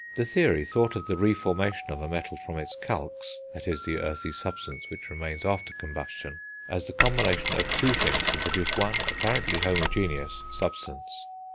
The theory thought of the re formation of a metal from its calx, that is, the earthy substance which remains after combustion, as the combination of two things to produce one, apparently homogeneous, substance.